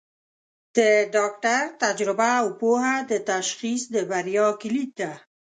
د ډاکټر تجربه او پوهه د تشخیص د بریا کلید ده.